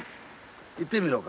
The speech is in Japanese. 行ってみろうか。